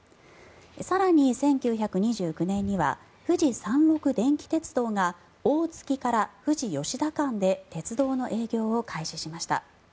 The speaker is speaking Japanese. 更に、１９２９年には富士山麓電気鉄道が大月から富士吉田間で鉄道の営業を開始しました。